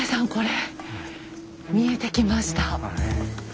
見えてきました。